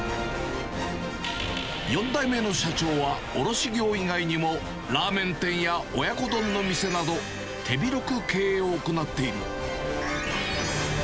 ４代目の社長は、卸業以外にも、ラーメン店や親子丼の店など、手広く経営を行っている。